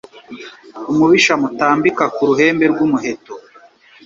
Umubisha mutambika ku ruhembe rw'umuheto.